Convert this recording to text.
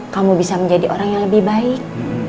kamu bisa menjadi orang yang lebih baik